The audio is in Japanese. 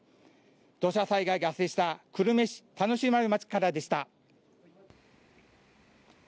土砂災害が発生した久留米市田主丸町からでした。